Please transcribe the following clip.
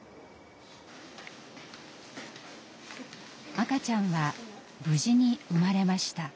赤ちゃんは無事に産まれました。